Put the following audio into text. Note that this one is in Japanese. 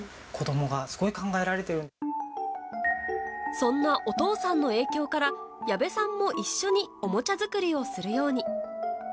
そんなお父さんの影響から矢部さんも一緒におもちゃ作りをするように。